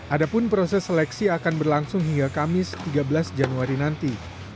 adapun proses seleksi akan berlangsung hingga kamis tiga belas januari nanti